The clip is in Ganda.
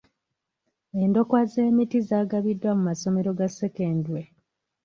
Endokwa z'emiti zaagabiddwa mu masomero ga sekendule.